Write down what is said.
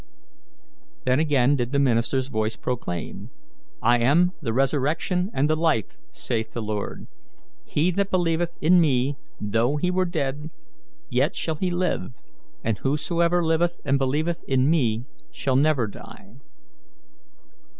Then again did the minister's voice proclaim, "I am the resurrection and the life, saith the Lord; he that believeth in me, though he were dead, yet shall he live; and whosoever liveth and believeth in me shall never die."